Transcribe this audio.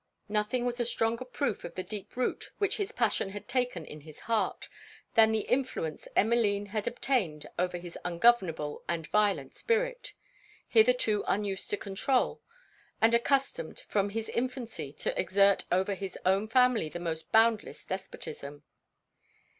Nothing was a stronger proof of the deep root which his passion had taken in his heart, than the influence Emmeline had obtained over his ungovernable and violent spirit, hitherto unused to controul, and accustomed from his infancy to exert over his own family the most boundless despotism.